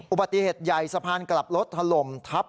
อุบัติเหตุใหญ่สะพานกลับรถถล่มทับ